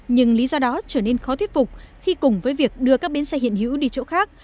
nhưng lý do đó trở nên khó thuyết phục khi cùng với việc đưa các bến xe hiện hữu đi chỗ khác